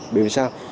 bởi vì sao